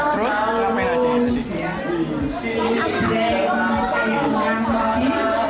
terus beramain aja ini